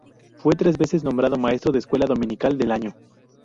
Fue tres veces nombrado maestro de escuela dominical del año.